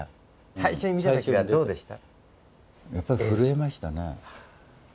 最初に見た時にはどうでした？